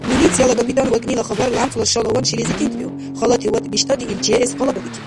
Милицияла капитан вакӏнила хабар лямцӏла шалаван шилизи тӏинтӏбиуб. Халати ва биштӏати ил чеэс къалабабикиб.